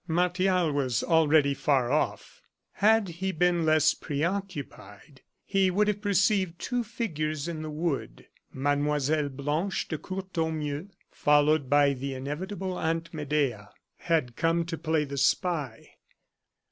Martial was already far off. Had he been less preoccupied, he would have perceived two figures in the wood. Mlle. Blanche de Courtornieu, followed by the inevitable Aunt Medea, had come to play the spy.